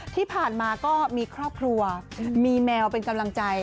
ที่ผ่านมาก็มีครอบครัวมีแมวเป็นกำลังใจ